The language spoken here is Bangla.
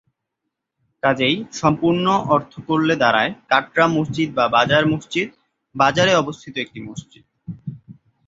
কাজেই সম্পূর্ণ অর্থ করলে দাড়ায় কাটরা মসজিদ বা বাজার মসজিদ, বাজারে অবস্থিত একটি মসজিদ।